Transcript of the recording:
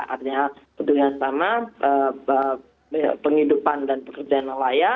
artinya kedua yang sama penghidupan dan pekerjaan layak